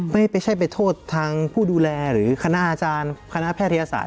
ไม่ใช่ไปโทษทางผู้ดูแลหรือคณะอาจารย์คณะแพทยศาส